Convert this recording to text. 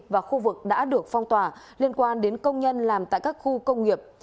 và khu vực đã được phong tỏa liên quan đến công nhân làm tại các khu công nghiệp